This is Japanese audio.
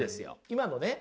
今のね